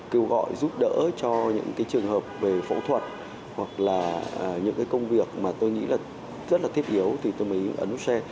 cứu gọi giúp đỡ cho những trường hợp về phẫu thuật hoặc là những công việc mà tôi nghĩ rất thiết yếu thì tôi mới ấn share